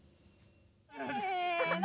せの！